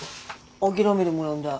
諦めでもらうんだ。